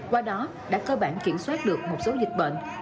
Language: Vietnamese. qua đó đã cơ bản kiểm soát được một số dịch bệnh